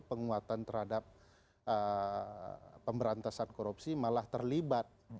penguatan terhadap pemberantasan korupsi malah terlibat